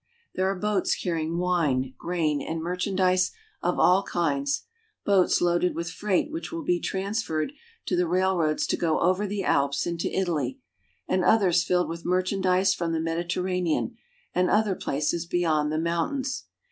There are boats carrying wine, grain, and mer chandise of all kinds ; boats loaded with freight which will be transferred to the railroads to go over the Alps into Italy ; and others filled with merchandise from the Mediter ranean, and other places beyond the mountains.